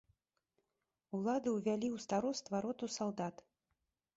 Улады ўвялі ў староства роту салдат.